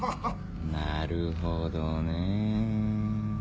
なるほどね。